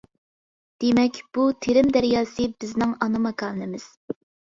دېمەك، بۇ تېرىم دەرياسى بىزنىڭ ئانا ماكانىمىز.